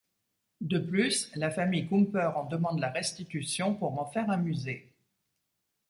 De plus, la famille Kumper en demande la restitution pour en faire un musée.